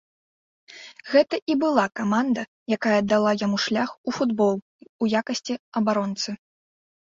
Гэта і была каманда, якая дала яму шлях у футбол у якасці абаронцы.